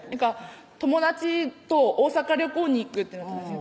友達と大阪旅行に行くってなったんです